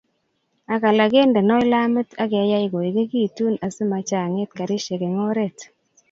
ak alak kendeno lamit ageyai koegigitu asimachangit karishek eng oret